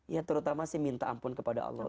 ya terutama sih minta ampun kepada allah